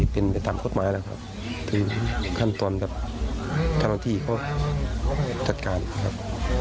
เป็นไปทำพฤตมาสแล้วครับถึงขั้นต้นแบบธนาฐิเขาจัดการครับอืม